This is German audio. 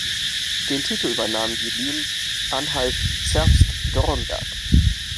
Den Titel übernahm die Line Anhalt-Zerbst-Dornberg.